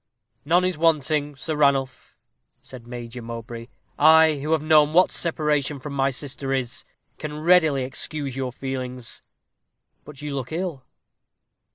"None is wanting, Sir Ranulph," said Major Mowbray. "I who have known what separation from my sister is, can readily excuse your feelings. But you look ill."